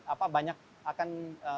apa banyak akan